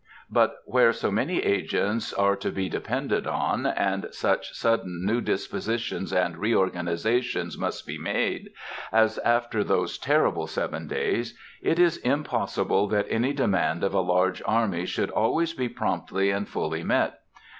But where so many agents are to be depended on, and such sudden new dispositions and reorganizations must be made, as after those terrible seven days, it is impossible that any demand of a large army should always be promptly and fully met.